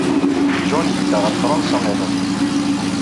John yedda ɣer Fṛansa iḍelli.